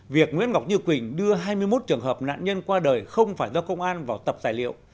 việc nguyễn ngọc như quỳnh đưa hai mươi một trường hợp nạn nhân qua đời không phải do công an vào tập tài liệu